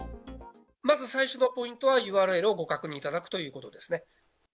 まず最初のポイントは、ＵＲＬをご確認いただくということですね。